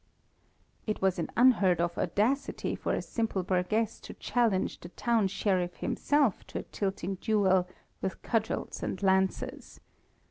It was an unheard of audacity for a simple burgess to challenge the town Sheriff himself to a tilting duel with cudgels and lances.